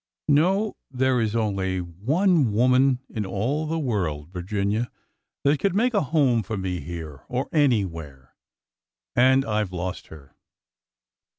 "No, — there is only one wo man in all the world, Virginia, that could make a home for me here or anywhere, and — I Ve lost her."